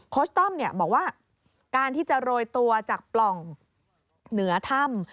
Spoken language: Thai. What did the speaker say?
ต้อมบอกว่าการที่จะโรยตัวจากปล่องเหนือถ้ำ